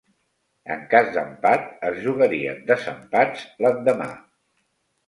En cas d'empat, es jugarien desempats l'endemà.